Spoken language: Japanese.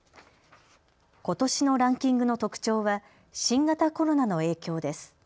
ことしのランキングの特徴は新型コロナの影響です。